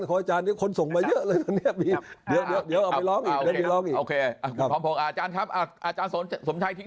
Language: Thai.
อาจารย์อาจทิ้งท้ายหน่อยครับหมดเวลาจริงวันหน้าค่อยมาโถกกันอีกที